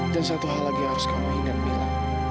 dan satu hal lagi yang harus kamu ingat mila